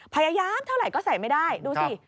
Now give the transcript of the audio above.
พยายามเท่าไหร่ก็ใส่ไม่ได้ดูสิ